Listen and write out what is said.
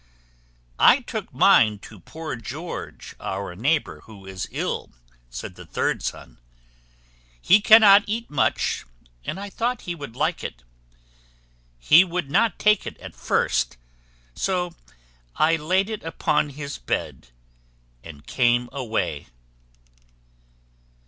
"I took mine to poor George, our neighbor, who is ill," said the third son. "He cannot eat much, and I thought he would like it. He would not take it at first, so I laid it upon his bed, and came away."